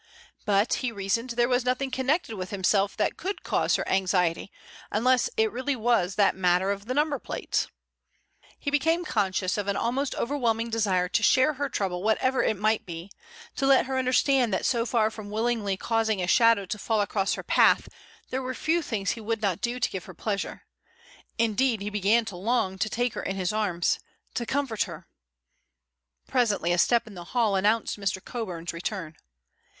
But, he reasoned, there was nothing connected with himself that could cause her anxiety, unless it really was that matter of the number plates. He became conscious of an almost overwhelming desire to share her trouble whatever it might be, to let her understand that so far from willingly causing a shadow to fall across her path there were few things he would not do to give her pleasure; indeed, he began to long to take her in his arms, to comfort her.... Presently a step in the hall announced Mr. Coburn's return.